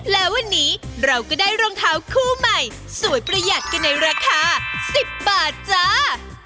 และวันนี้เราก็ได้รองเท้าคู่ใหม่สวยประหยัดกันในราคา๑๐บาทจ้า